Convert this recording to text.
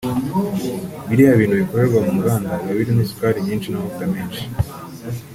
…] Biriya bintu bikorerwa mu nganda biba birimo isukari nyinshi n’amavuta menshi